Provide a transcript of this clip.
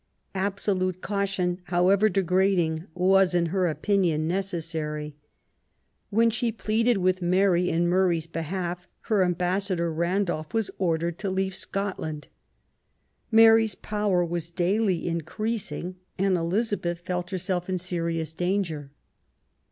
Absolute caution, however degrading, was, in her opinion, necessary. When she pleaded with Mary in Murray's behalf, her ambassador 92 QUEEN ELIZABETH. Randolph was ordered to leave Scotland. Mary's power was daily increasing, and Elizabeth felt herself in serious danger.